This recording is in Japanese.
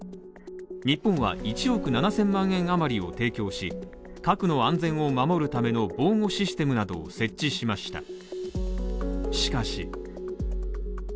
日本は１億７０００万円余りを提供し核の安全を守るための防護システムなどを設置しました。